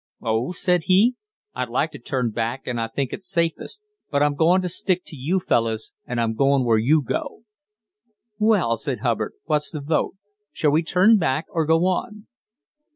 "Oh," said he, "I'd like to turn back, and I think it's safest; but I'm goin' to stick to you fellus, and I'm goin' where you go." "Well," said Hubbard, "what's the vote? shall we turn back or go on?"